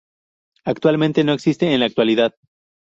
Actualmente, no existe en la actualidad.